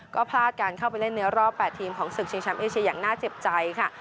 ก็พลาดการเข้าไปเล่นเรือรอบแปดทีมของซึ่งชมเอเชย์อย่างน่าเจ็บใจค่ะ